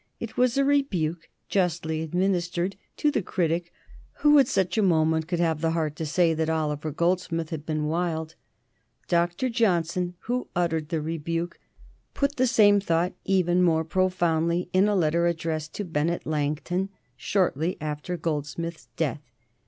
It was a rebuke, justly administered, to the critic who at such a moment could have the heart to say that Oliver Goldsmith had been wild. Dr. Johnson, who uttered the rebuke, put the same thought even more profoundly in a letter addressed to Bennet Langton shortly after Goldsmith's death.